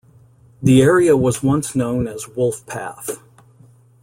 The area was once known as "Wolfpath".